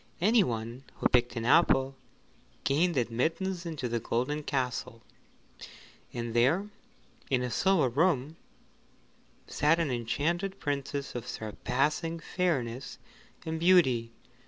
Anyone who picked an apple gained admittance into the golden castle, and there in a silver room sat an enchanted Princess of surpassing fairness and beauty.